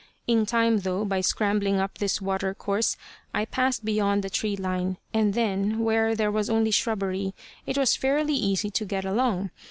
In time, though, by scrambling up this water course, I passed beyond the tree line, and then, where there was only shrubbery, it was fairly easy to get along.